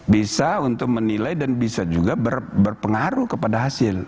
bisa untuk menilai dan bisa juga berpengaruh kepada hasil